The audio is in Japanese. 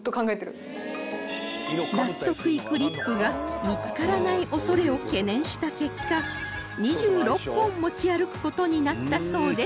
納得いくリップが見つからない恐れを懸念した結果２６本持ち歩く事になったそうです